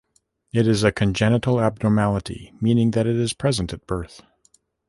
It is a congenital abnormality, meaning that it is present at birth.